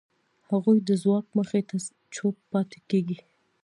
هغوی د ځواک مخې ته چوپ پاتې کېږي.